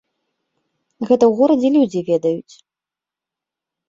Гэта ў горадзе людзі ведаюць.